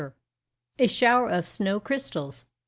_A SHOWER OF SNOW CRYSTALS.